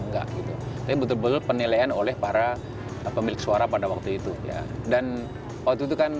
enggak gitu tapi betul betul penilaian oleh para pemilik suara pada waktu itu ya dan waktu itu kan